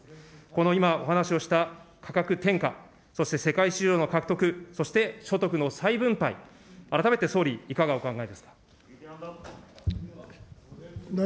この今、お話をした価格転嫁、そして世界市場の獲得、そして所得の再分配、改めて総理、いかがお考えですか。